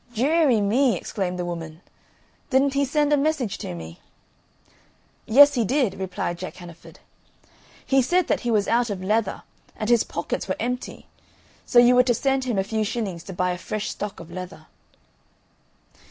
"Deary me!" exclaimed the woman. "Didn't he send a message to me?" "Yes, he did," replied Jack Hannaford. "He said that he was out of leather, and his pockets were empty, so you were to send him a few shillings to buy a fresh stock of leather."